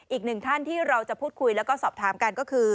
อีกหนึ่งท่านที่เราจะพูดคุยแล้วก็สอบถามกันก็คือ